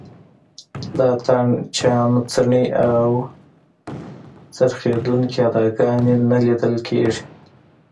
د اتڼ چیانو څڼې او څرخېدونکې اداګانې نه لیدل کېږي.